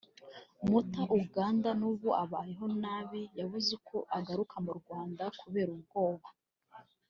muta Uganda n’ubu abayeho nabi yabuze uko agaruka mu Rwanda kubera ubwoba